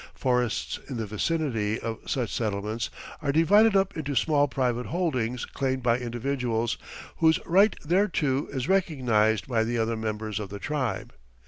Forests in the vicinity of such settlements are divided up into small private holdings claimed by individuals, whose right thereto is recognized by the other members of the tribe.